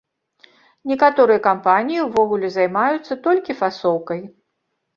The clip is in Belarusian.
Некаторыя кампаніі ўвогуле займаюцца толькі фасоўкай.